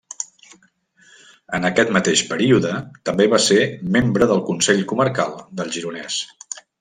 En aquest mateix període també va ser membre del Consell Comarcal del Gironès.